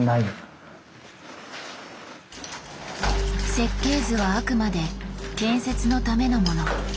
設計図はあくまで建設のためのもの。